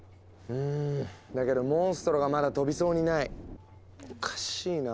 うんだけどモンストロがまだ飛びそうにない。